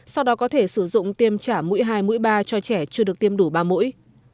sau đó có thể sử dụng tiêm trả mũi hai mũi ba cho trẻ chưa được tiêm đủ ba mũi